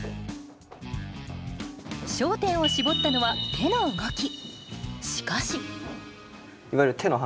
焦点を絞ったのは手の動き。